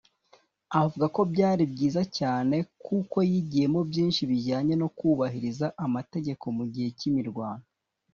avuga ko byari byiza cyane kuko yigiyemo byinshi bijyanye no kubahiriza amategeko mu gihe cy’imirwano